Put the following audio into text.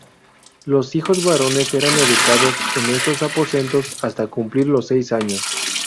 Los hijos varones eran educados en estos aposentos hasta cumplir los seis años.